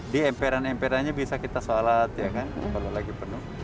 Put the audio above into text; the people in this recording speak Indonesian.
di emperan emperannya bisa kita sholat apalagi penuh